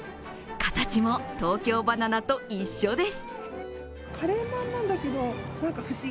形も東京ばな奈と一緒です。